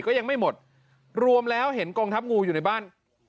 ก็ยังไม่หมดรวมแล้วเห็นกองทัพงูอยู่ในบ้าน